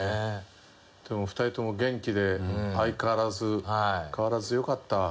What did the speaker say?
でも２人とも元気で相変わらず変わらずよかった。